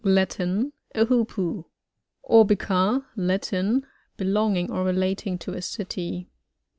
— Latin. A Hoopoo. Urbica. — Latin. Belonging or rela ting to a city.